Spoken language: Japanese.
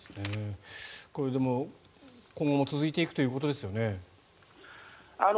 でも、今後も続いていくということですよね。